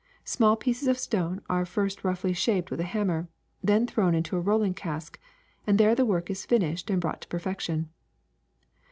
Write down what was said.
Small pieces of stone are first roughly shaped with a hammer, then thrown into a rolling cask, and there the work is fin ished and brought to perfection.